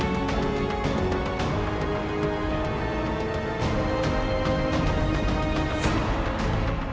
siap siapaan benar benar jelas di sharper